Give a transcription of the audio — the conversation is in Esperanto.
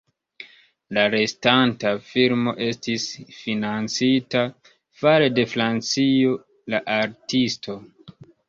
La restanta filmo estis financita fare de Francio: "La Artisto".